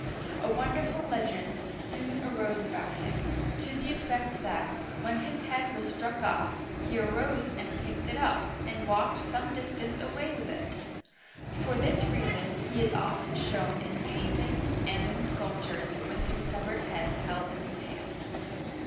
A wonderful legend soon arose about him, to the effect that, when his head was struck off, he arose and picked it up Digitized by Google ROMANS AND GAULS 39 and walked some distance away with it ! For this reason he is often shown in paintings and sculptures with his sev ered head held in his hands.